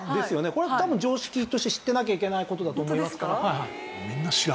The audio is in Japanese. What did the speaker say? これは多分常識として知ってなきゃいけない事だと思います。